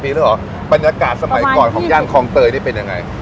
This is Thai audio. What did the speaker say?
มีแล้วเหรอบรรยากาศสมัยก่อนของย่านคลองเตยนี่เป็นยังไง